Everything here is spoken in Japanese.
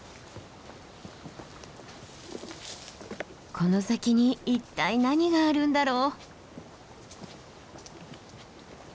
この先に一体何があるんだろう。